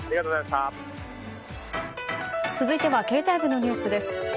続いては経済部のニュースです。